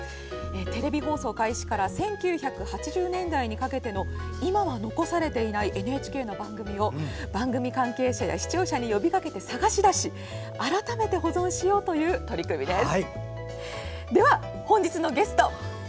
テレビ放送開始から１９８０年代初めにかけての今は残されていないＮＨＫの番組を番組関係者や視聴者に呼びかけて探し出し改めて保存しようという取り組みです。